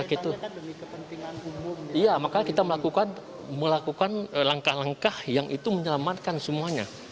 iya makanya kita melakukan langkah langkah yang itu menyelamatkan semuanya